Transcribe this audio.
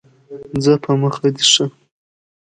ځه په مخه دي ښه !